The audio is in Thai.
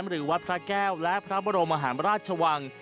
หรือวัดพระแก้วและพระบรมหาราชวัง